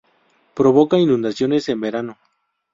Provoca inundaciones en verano.